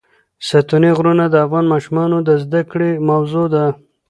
ستوني غرونه د افغان ماشومانو د زده کړې موضوع ده.